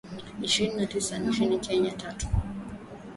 Ishirini na tisa nchini Kenya, tatu.